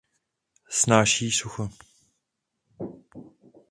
Snáší sucho.